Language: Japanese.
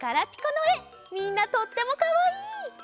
みんなとってもかわいい。